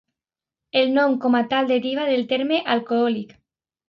El nom com a tal deriva del terme alcohòlic.